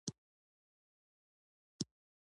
خدای زموږ افتونه پر ملي یوالي راټول کړي.